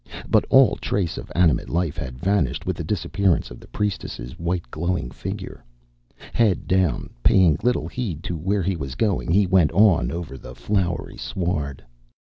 But all trace of animate life had vanished with the disappearance of the priestess' white glowing figure. Head down, paying little heed to where he was going, he went on over the flowery sward.